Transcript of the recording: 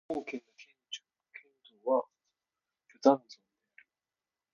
ドゥー県の県都はブザンソンである